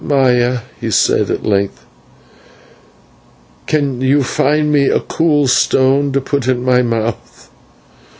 "Maya," he said at length, "can you find me a cool stone to put in my mouth?"